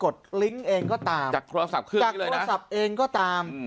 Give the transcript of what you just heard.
ลิงก์เองก็ตามจากโทรศัพท์เครื่องจากโทรศัพท์เองก็ตาม